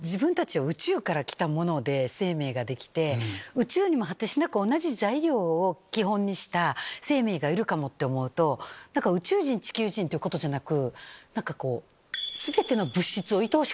宇宙にも果てしなく同じ材料を基本にした生命がいるかもって思うと宇宙人地球人ってことじゃなく。